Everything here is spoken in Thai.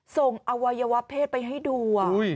อวัยวะเพศไปให้ดู